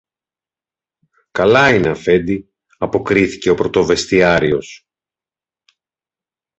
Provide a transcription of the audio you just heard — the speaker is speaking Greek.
Καλά είναι, Αφέντη, αποκρίθηκε ο πρωτοβεστιάριος